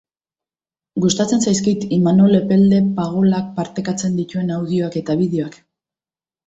Gustatzen zaizkit Imanol Epelde Pagolak partekatzen dituen audioak eta bideoak.